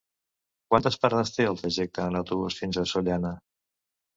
Quantes parades té el trajecte en autobús fins a Sollana?